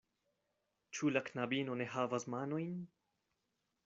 Ĉu la knabino ne havas manojn?